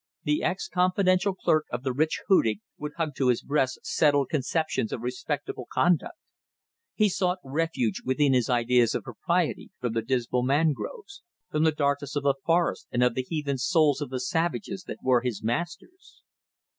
The ex confidential clerk of the rich Hudig would hug to his breast settled conceptions of respectable conduct. He sought refuge within his ideas of propriety from the dismal mangroves, from the darkness of the forests and of the heathen souls of the savages that were his masters.